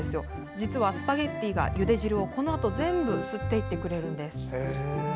実はスパゲッティが、ゆで汁をこのあと全部吸ってくれるんです。